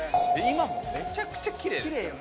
今もめちゃくちゃキレイですよ。